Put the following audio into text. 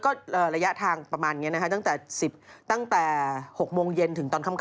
ก็ระยะทางประมาณนี้นะคะตั้งแต่๖โมงเย็นถึงตอนค่ำ